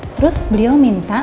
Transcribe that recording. terus beliau minta